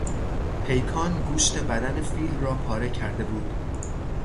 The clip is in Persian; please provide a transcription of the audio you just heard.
پیکان گوشت بدن فیل را پاره کرده بود.